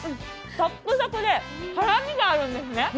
サックサクで辛みがあるんですね。